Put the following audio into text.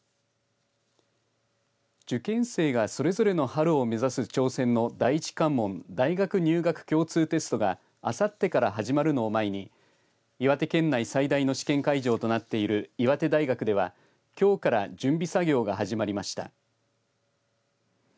受験生がそれぞれの春を目指す朝鮮の第１関門大学入学共通テストがあさってから始まるのを前に岩手県内最大の試験会場となっている岩手大学ではきょうから準備作業が始まりました。